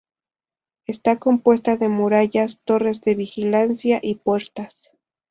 Está compuesta de murallas, torres de vigilancia y puertas.